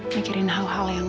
mikirin hal hal yang